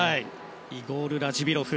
イゴール・ラジビロフ。